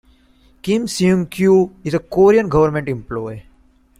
Kim Seung-kew is a Korean Government employee.